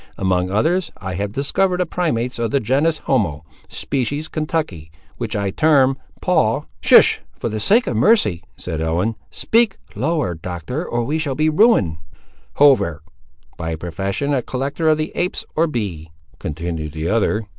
Among others, I have discovered a primates, of the genus, homo; species, Kentucky; which I term, Paul—" "Hist, for the sake of mercy!" said Ellen; "speak lower, Doctor, or we shall be ruined." "Hover; by profession a collector of the apes, or bee," continued the other.